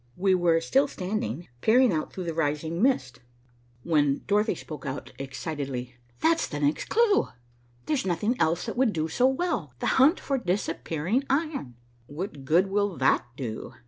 We were still standing, peering out through the rising mist, when Dorothy spoke out excitedly. "That's the next clue, there's nothing else that will do so well, the hunt for disappearing iron." "What good will that do?"